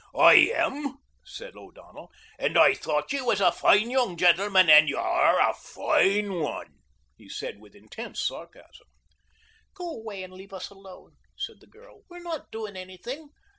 "I am," said O'Donnell, "and I thought ye was a foine young gentleman, and you are a foine one," he said with intense sarcasm. "Go away and leave us alone," said the girl. "We're not doing anything.